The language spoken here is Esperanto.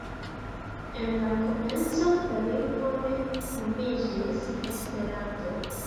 En la komenco la lingvo ne nomiĝis Esperanto.